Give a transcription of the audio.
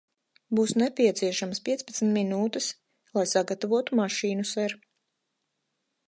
Būs nepieciešamas piecpadsmit minūtes, lai sagatavotu mašīnu, ser.